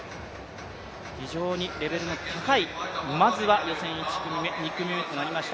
非常にレベルの高い、まずは予選１組目、２組目となりました。